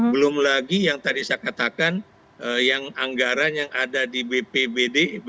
belum lagi yang tadi saya katakan yang anggaran yang ada di bpbd